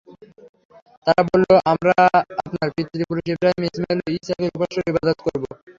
তারা বললঃ আমরা আপনার পিতৃপুরুষ ইবরাহীম, ইসমাঈল ও ইসহাকের উপাস্যের ইবাদত করব।